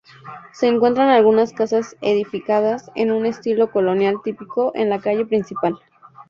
Se encuentran algunas casas edificadas en un estilo colonial típico en la calle principal.